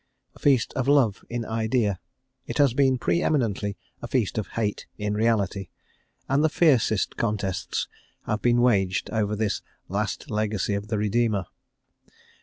A feast of love in idea, it has been pre eminently a feast of hate in reality, and the fiercest contests have been waged over this "last legacy of the Redeemer."